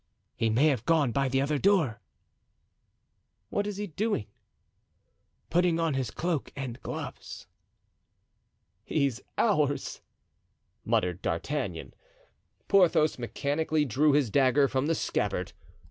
"He may have gone by the other door." "What is he doing?" "Putting on his cloak and gloves." "He's ours," muttered D'Artagnan. Porthos mechanically drew his dagger from the scabbard.